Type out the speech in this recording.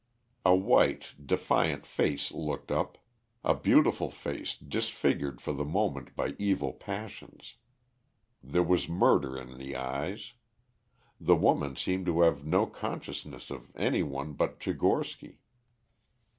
A white, defiant face looked up a beautiful face disfigured for the moment by evil passions. There was murder in the eyes. The woman seemed to have no consciousness of any one but Tchigorsky.